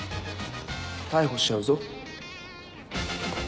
逮捕しちゃうぞ！